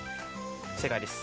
正解です。